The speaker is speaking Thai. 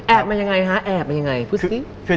มายังไงฮะแอบมายังไงพูดสิ